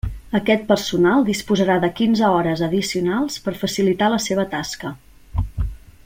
Aquest personal disposarà de quinze hores addicionals per facilitar la seva tasca.